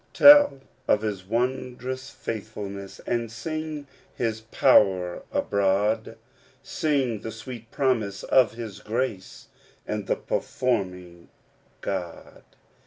'Tell of his wondrous faithfulness, And sound his power abroad ; Sing the sweet promise of his grace, And the performing God.